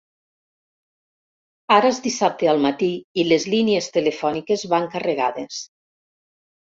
Ara és dissabte al matí i les línies telefòniques van carregades.